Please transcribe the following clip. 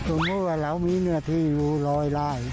ส่วนหมดว่าเรามีเนื้อที่อยู่รอยไล่